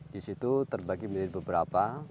di situ terbagi menjadi beberapa